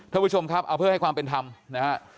ท่านผู้ชมครับเอาเพื่อให้ความเป็นธรรมนะฮะ